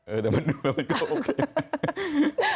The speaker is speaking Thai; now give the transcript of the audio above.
เออแต่มันก็โอเค